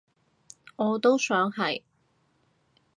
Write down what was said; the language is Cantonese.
我都想係